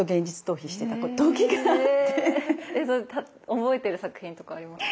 覚えてる作品とかありますか？